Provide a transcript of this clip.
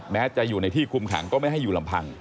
แม้จะอยู่ในที่คุมขังก็ไม่ให้อยู่ลำพัง